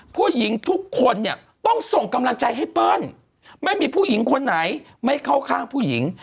ผู้หญิงทุกคนเนี่ยต้องส่งกำลังใจให้เปิ้ลไม่มีผู้หญิงคนไหนไม่เข้าข้างผู้หญิง